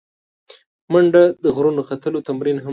منډه د غرونو ختلو تمرین هم دی